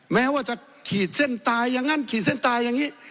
แม้ว่าจะขีดเส้นตายอย่างนั้นขีดเส้นตายอย่างนี้